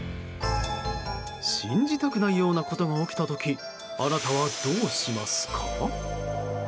信じたくないようなことが起きた時あなたはどうしますか。